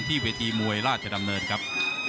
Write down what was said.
เวทีมวยราชดำเนินครับ